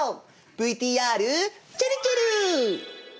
ＶＴＲちぇるちぇる！